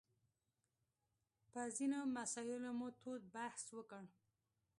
په ځینو مسایلو مو تود بحث وکړ.